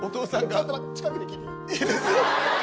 もっと近くで聞いていい。